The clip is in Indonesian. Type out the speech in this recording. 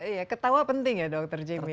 iya ketawa penting ya dokter jim ya